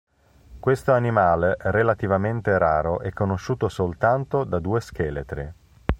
Quest'animale relativamente raro è conosciuto soltanto da due scheletri.